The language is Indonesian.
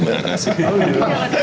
terima kasih pak